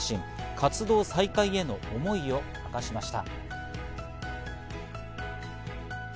活動再開への思いを明かしました。